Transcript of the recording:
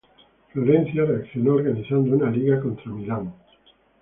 Florencia reaccionó organizando una liga contra el Milán.